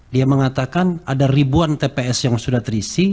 dia mengatakan ada ribuan tps yang sudah terisi